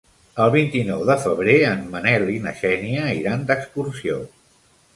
El vint-i-nou de febrer en Manel i na Xènia iran d'excursió.